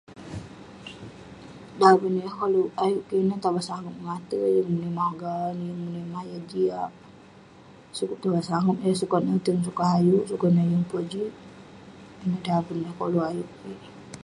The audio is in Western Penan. Daven yah kolouk ayuk kik ineh, tabang sangep mengate. Yeng nimah ayuk gaon, yeng menimah yah jiak. Sukup sangep yah sukat notem, sukat ayuk, sukun eh yeng pojik. Ineh daven yah koluk ayuk kik.